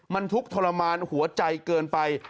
มันทุกข์ทรมานหัวใจเกินไป